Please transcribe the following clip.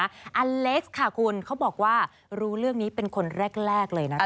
อเล็กซ์ค่ะคุณเขาบอกว่ารู้เรื่องนี้เป็นคนแรกเลยนะคะ